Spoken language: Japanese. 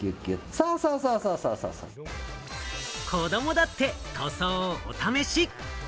子どもだって塗装をお試し。